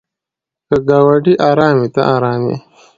که ګاونډی ارام وي ته ارام یې.